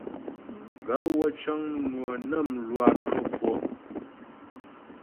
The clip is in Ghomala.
Gaə̂ wə́ cə́ŋ mnwə̀ nə mlwǎ cwə́ ŋkwɔ́'.